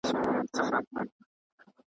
زما سره به څرنګه سیالي کوې رقیبه .